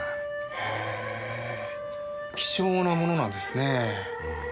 へえ希少なものなんですね。